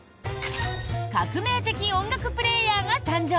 革命的音楽プレーヤーが誕生。